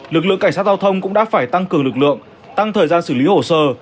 lực lượng cảnh sát giao thông cũng đã phải tăng cường lực lượng tăng thời gian xử lý hồ sơ